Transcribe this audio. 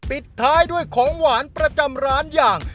ปิดท้ายด้วยของหวานประจำร้านอย่าง